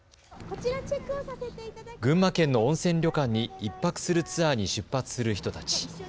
群馬県の温泉旅館に１泊するツアーに出発する人たち。